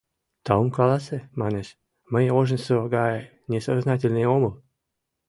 Таум каласе, манеш, мый ожнысо гай несознательный омыл.